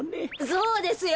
そうですよ。